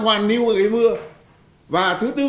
hoàn niu cái vừa và thứ tư